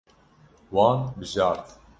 Wan bijart.